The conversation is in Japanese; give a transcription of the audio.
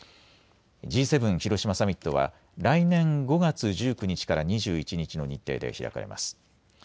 Ｇ７広島サミットは来年５月１９日から２１日の日程で開かれます。